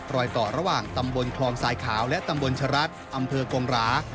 รอยต่อระหว่างตำบลคลองสายขาวและตำบลชะรัฐอำเภอกงหรา